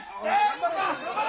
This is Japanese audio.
頑張れ！